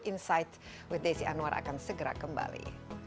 insight with desi anwar akan segera kembali